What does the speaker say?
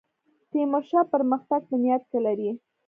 تیمورشاه پرمختګ په نیت کې لري.